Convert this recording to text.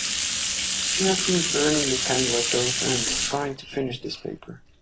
She has been burning the candle at both ends trying to finish this paper.